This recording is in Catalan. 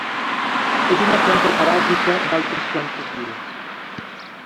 És una planta paràsita d'altres plantes vives.